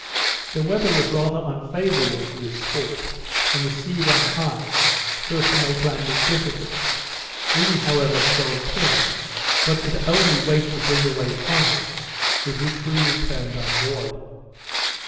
The weather was rather unfavourable for this sport, and the sea ran high, so as to make landing difficult; we, however, killed ten, but could only wait to bring away five, with which we returned on board.